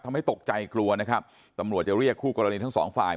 ตกใจกลัวนะครับตำรวจจะเรียกคู่กรณีทั้งสองฝ่าย